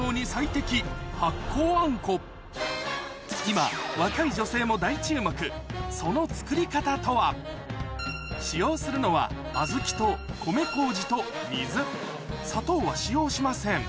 今若い女性も大注目その作り方とは使用するのは砂糖は使用しません